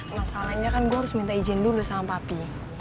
masalahnya kan gue harus minta izin dulu sama papi